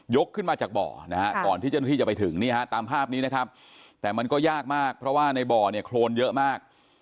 ยกขึ้นมาจากบ่อก่อนที่จะไปถึงเนี่ยฮะตามภาพนี้นะครับแต่มันก็ยากมากเพราะว่าในบ่อเนี่ยโครนเยอะมาก